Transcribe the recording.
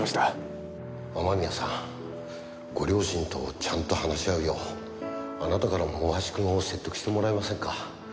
雨宮さんご両親とちゃんと話し合うようあなたからも大橋君を説得してもらえませんか？